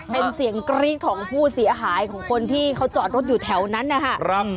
เป็นเสียงกรี๊ดของผู้เสียหายของคนที่เขาจอดรถอยู่แถวนั้นนะครับ